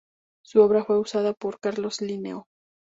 Su obra fue usada por Carlos Linneo.